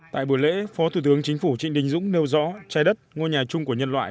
tại buổi lễ phó thủ tướng chính phủ trịnh đình dũng nêu rõ trái đất ngôi nhà chung của nhân loại